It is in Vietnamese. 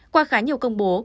qua khá nhiều công bố